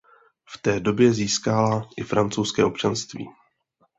V té době získala i francouzské občanství.